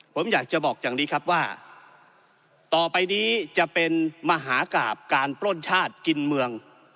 ผมอยากจะบอกอย่างนี้ครับว่าต่อไปนี้จะเป็นมหากราบการปล้นชาติกินเมือง